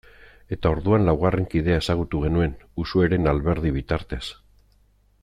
Eta orduan laugarren kidea ezagutu genuen Uxueren Alberdi bitartez.